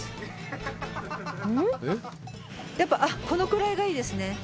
このくらいがいいですね。